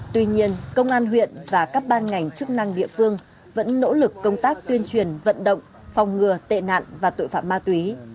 tuy nhiên công an huyện và các ban ngành chức năng địa phương vẫn nỗ lực công tác tuyên truyền vận động phòng ngừa tệ nạn và tội phạm ma túy